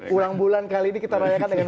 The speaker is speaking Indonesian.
ulang bulan kali ini kita rayakan dengan